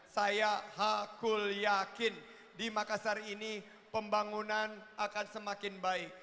saya hakulyakin di makassar ini pembangunan akan semakin baik